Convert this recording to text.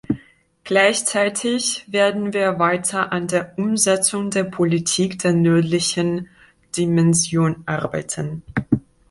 Gleichzeitig werden wir weiter an der Umsetzung der Politik der Nördlichen Dimension arbeiten.